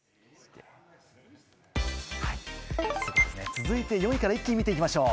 続いて４位から一気に見ていきましょう。